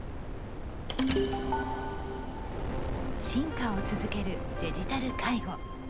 進化を続けるデジタル介護。